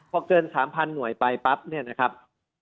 พอเกิน๓๐๐๐หน่วยไปปั๊บ